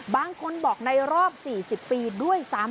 บางคนบอกในรอบ๔๐ปีด้วยซ้ำ